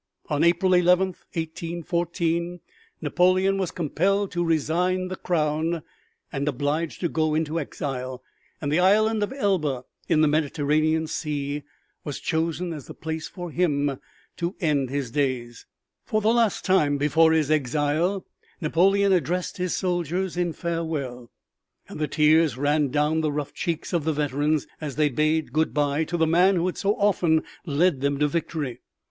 On April 11, 1814, Napoleon was compelled to resign the crown, and obliged to go into exile; and the island of Elba in the Mediterranean Sea was chosen as the place for him to end his days. For the last time before his exile, Napoleon addressed his soldiers in farewell, and the tears ran down the rough cheeks of the veterans as they bade good by to the man who had so often led them to victory.